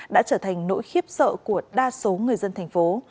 đã trở thành nỗi khiếp sợ của đa số người dân thành phố